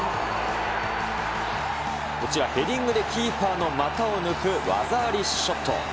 こちら、ヘディングでキーパーの股を抜く技ありショット。